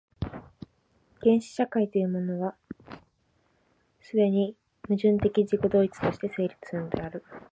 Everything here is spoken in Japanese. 原始社会というものが、既に矛盾的自己同一として成立するのである。